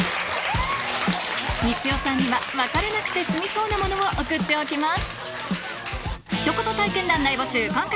光代さんには別れなくて済みそうなものを送っておきます